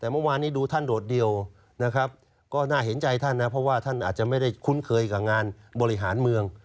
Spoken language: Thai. แต่เมื่อวานนี้ดูท่านโดดเดียวนะครับก็น่าเห็นใจท่านนะเพราะว่าท่านอาจจะไม่ได้คุ้นเคยกับงานบริหารเมือง